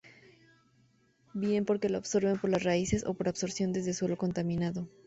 Bien porque lo absorben por las raíces, o por absorción desde un suelo contaminado.